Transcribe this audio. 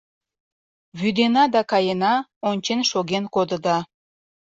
Вӱдена да каена, ончен шоген кодыда